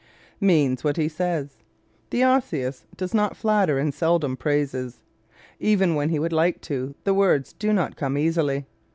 Means What He Says ¶ The Osseous does not flatter and seldom praises. Even when he would like to, the words do not come easily.